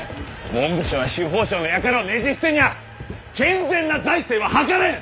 文部省や司法省の輩をねじ伏せんにゃ健全な財政は図れん！